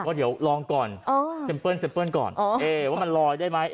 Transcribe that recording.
ว่าเดี๋ยวลองก่อนเออเซ็มเพิ้ลเซ็มเฟิ้ลก่อนเออว่ามันลอยได้ไหม